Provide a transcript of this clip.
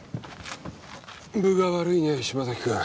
分が悪いねえ島崎くん。